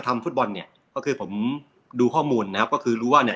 ทำฟุตบอลเนี่ยก็คือผมดูข้อมูลนะครับก็คือรู้ว่าเนี่ย